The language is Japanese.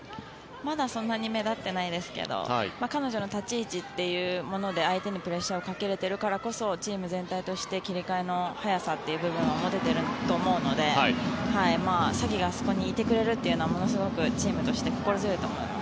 まだそんなに目立ってないですけど彼女の立ち位置というもので相手にプレッシャーをかけられているからこそチーム全体として切り替えの速さという部分を持てていると思うので紗希がそこにいてくれるのはものすごくチームとして心強いと思います。